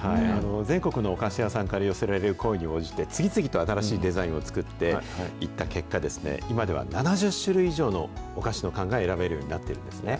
全国のお菓子屋さんから寄せられる声に応じて次々と新しいデザインを作っていった結果ですね、今では７０種類以上のお菓子の缶が選べるようになっているんですね。